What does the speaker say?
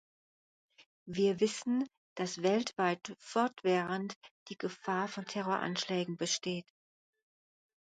Wir wissen, dass weltweit fortwährend die Gefahr von Terroranschlägen besteht.